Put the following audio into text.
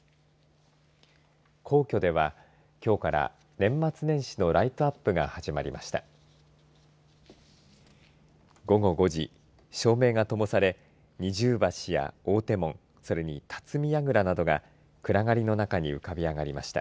皇居ではきょうから年末年始のライトアップが始まりました。